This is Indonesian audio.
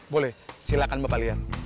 boleh silakan bapak lihat